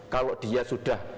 kalau dia sudah